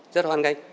rất hoan nghênh